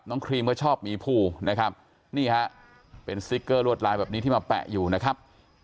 ครีมก็ชอบหมีภูนะครับนี่ฮะเป็นสติ๊กเกอร์ลวดลายแบบนี้ที่มาแปะอยู่นะครับ